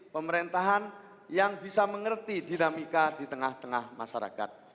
pemerintahan yang bisa mengerti dinamika di tengah tengah masyarakat